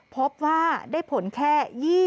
พบว่าได้ผลแค่